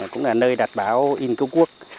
cũng là nơi đặt báo in cục quốc